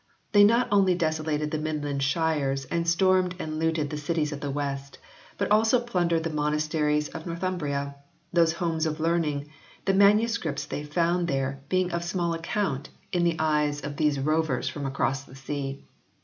They not only desolated the Midland shires and stormed and looted the cities of the West, but also plundered the monasteries of Northumbria, those homes of learning, the manuscripts they found there being of small account in the eyes 12 4 HISTORY OF THE ENGLISH BIBLE [OH. of these rovers from across the sea.